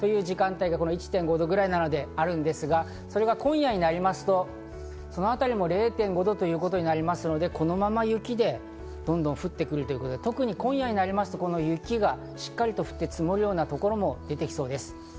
東京タワーのあたりで１．５度くらいなので、それが今夜になりますと、そのあたりも０．５度ということになりますので、このまま雪でどんどん降ってくるということで、今夜になりますと雪がしっかりと降って、積もるようなところも出てきそうです。